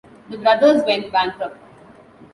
The brothers went bankrupt.